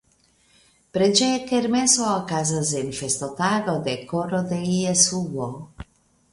Preĝeja kermeso okazas en festotago de Koro de Jesuo.